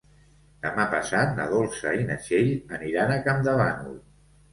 Demà passat na Dolça i na Txell aniran a Campdevànol.